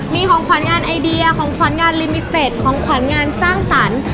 มีของขวัญงานไอเดียของขวัญงานลิมิเต็ดของขวัญงานสร้างสรรค์